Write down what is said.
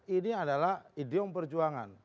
ini adalah idom perjuangan